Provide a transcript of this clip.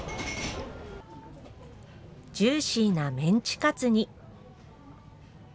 ジューシーなメンチカツに。